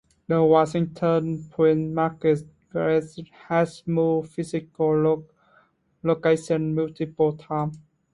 The Washington Printmakers Gallery has moved physical locations multiple times.